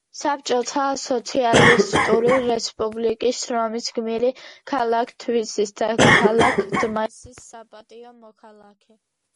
საბჭოთა სოციალისტური რესპუბლიკის შრომის გმირი, ქალაქ თბილისის და ქალაქ დმანისის საპატიო მოქალაქე.